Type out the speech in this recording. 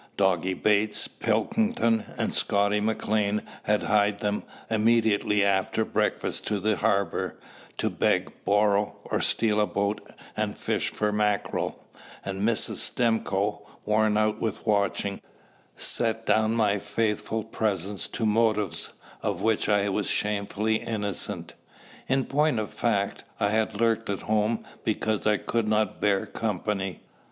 Doggy Bates, Pilkington, and Scotty Maclean had hied them immediately after breakfast to the harbour, to beg, borrow, or steal a boat and fish for mackerel; and Mrs. Stimcoe, worn out with watching, set down my faithful presence to motives of which I was shamefully innocent. In point of fact, I had lurked at home because I could not bear company.